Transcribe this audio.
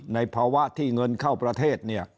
ในภาวะที่เงินเข้าประเทศเนี่ย